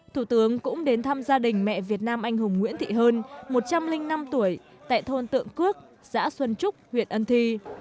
thủ tướng cũng đến thăm gia đình mẹ việt nam anh hùng nguyễn thị hơn một trăm linh năm tuổi tại thôn tượng cước xã xuân trúc huyện ân thi